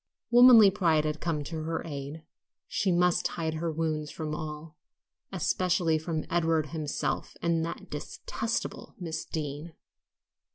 Womanly pride had come to her aid; she must hide her wounds from all, especially from Edward himself and "that detestable Miss Deane."